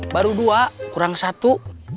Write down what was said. baru dua kurang satu